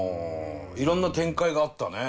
いろんな展開があったね。